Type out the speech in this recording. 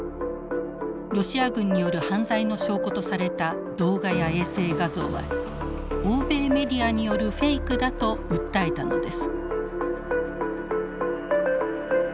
ロシア軍による犯罪の証拠とされた動画や衛星画像は欧米メディアによるフェイクだと訴えたのです。